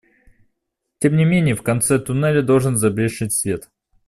Тем не менее в конце туннеля должен забрезжить свет.